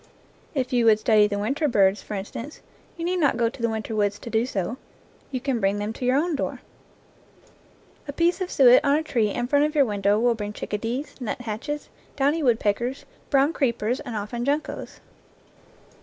If you would study the winter birds, for instance, you need not go to the winter woods to do so; you can bring them to your own door. A piece of suet on a tree in front of your window will bring chicka dees, nuthatches, downy woodpeckers, brown creep ers, and often juncos.